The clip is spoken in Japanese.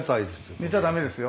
寝ちゃダメですよ。